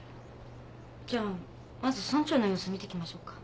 じゃあまず村長の様子見てきましょうか。